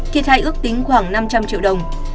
thiệt hại ước tính khoảng năm trăm linh triệu đồng